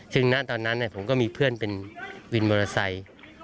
ซึ่งณตอนนั้นผมก็มีเพื่อนเป็นวินมอเตอร์ไซค์